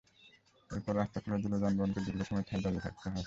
এরপর রাস্তা খুলে দিলেও যানবাহনগুলোকে দীর্ঘ সময় ঠায় দাঁড়িয়ে থাকতে হয়।